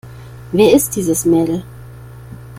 Wer ist dieses Mädel?